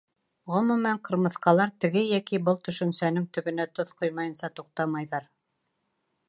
Ғөмүмән, ҡырмыҫҡалар теге йәки был төшөнсәнең төбөнә тоҙ ҡоймайынса туҡтамайҙар.